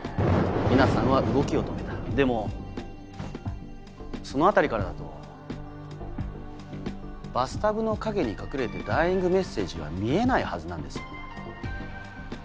皆さんは動きを止めたでもその辺りからだとバスタブの陰に隠れてダイイングメッセージは見えないはずなんですよ。